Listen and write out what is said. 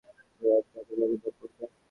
তিনি অতিবাহিত করেন জগন্নাথধাম পুরীতে।